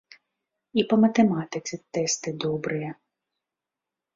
І па матэматыцы тэсты добрыя.